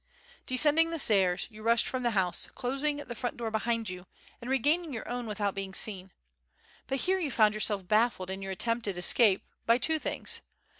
"Descending the stairs, you rushed from the house, closing the front door behind you and regaining your own without being seen. But here you found yourself baffled in your attempted escape, by two things.